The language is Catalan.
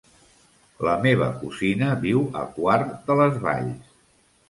La meva cosina viu a Quart de les Valls.